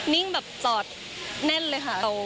นิ่งแบบจอดแน่นเลยค่ะโต